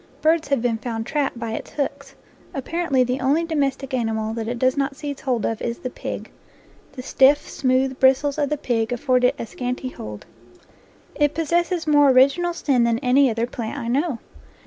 Birds have been found trapped by its hooks. Apparently the only domestic animal that it does not seize hold of is the pig; the stiff, smooth bristles of the pig afford it a scant hold. It possesses more original sin than any other plant I know.